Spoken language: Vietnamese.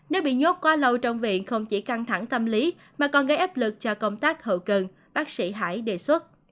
nếu bị nhốt quá lâu trong viện không chỉ căng thẳng tâm lý mà còn gây áp lực cho công tác hậu cần bác sĩ hải đề xuất